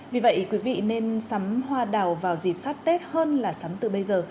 vì vậy quý vị nên sắm hoa đào vào dịp sát tết hơn là sắm từ bây giờ